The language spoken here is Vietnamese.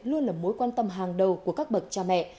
luôn là mối quan tâm hàng đầu của các bậc cha mẹ